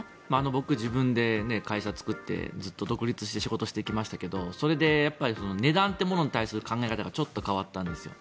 僕、自分で会社作ってずっと独立して仕事してきましたけど値段ってものに対する考え方がちょっと変わったんですよ。